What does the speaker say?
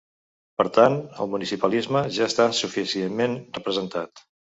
Per tant, ‘el municipalisme ja està suficientment representat’.